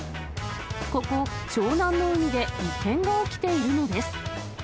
ここ、湘南の海で異変が起きているんです。